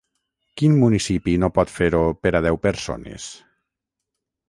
Quin municipi no pot fer-ho per a deu persones?